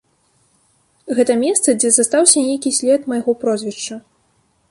Гэта месца, дзе застаўся нейкі след майго прозвішча.